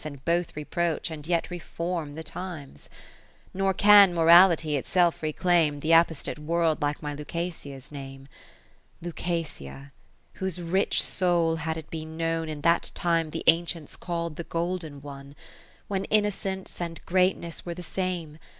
And both reproach, and yet reform, the times ? 10 (5^7) Nor can Morality itself reclaim Th' apostate World like my Lucasia's name : Lucasia, whose rich soul had it been known In that time th' Ancients call'd the Golden one, When Innocence and Greatness were the same.